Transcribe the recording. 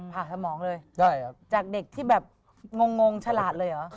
ผ่าสมองเลยจากเด็กที่แบบงงฉลาดเลยเหรอ